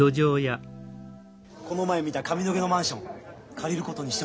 この前見た上野毛のマンション借りることにしてもええ？